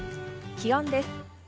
気温です。